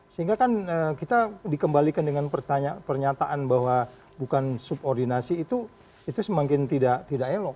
sehingga kan kita dikembalikan dengan pernyataan bahwa bukan subordinasi itu semakin tidak elok